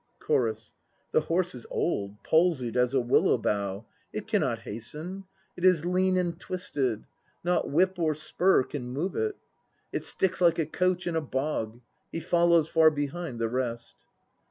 CHORUS. The horse is old, palsied as a willow bough; it cannot hasten. It is lean and twisted. Not whip or spur can move it. It sticks like a coach in a bog. He follows far behind the rest.